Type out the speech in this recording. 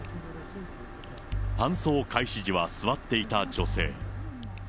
搬送開始時は座っていた女性。